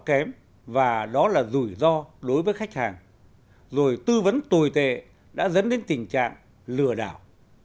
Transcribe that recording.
kém và đó là rủi ro đối với khách hàng rồi tư vấn tồi tệ đã dẫn đến tình trạng lừa đảo